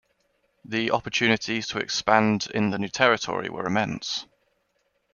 The opportunities to expand in the new territory were immense.